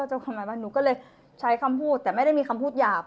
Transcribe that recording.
หนูก็เลยใช้คำพูดแต่ไม่ได้มีคำพูดหยาบ